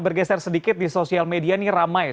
bergeser sedikit di sosial media ini ramai